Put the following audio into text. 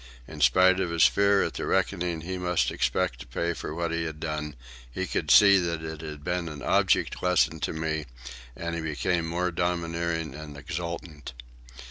In spite of his fear at the reckoning he must expect to pay for what he had done, he could see that it had been an object lesson to me, and he became more domineering and exultant.